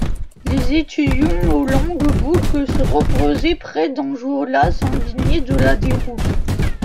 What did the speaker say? Les étudiants aux longues boucles se reposaient près d'Enjolras, indigné de la déroute.